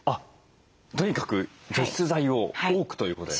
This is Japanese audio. とにかく除湿剤を多くということですね？